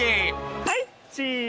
はいチーズ。